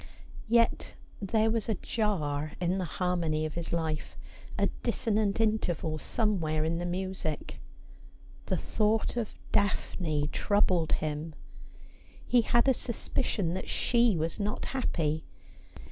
Yet there was a jar in the harmony of his life ; a dissonant interval somewhere in the music. The thought of Daphne troubled him. He had a sus picion that she was not happy.